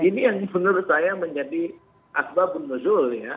ini yang menurut saya menjadi asbabun nuzul ya